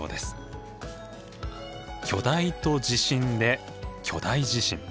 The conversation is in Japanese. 巨大と地震で巨大地震。